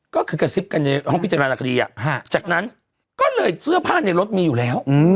ก็คือกระซิบกันในห้องพิจารณาคดีจากนั้นก็เลยเสื้อผ้าในรถมีอยู่แล้ว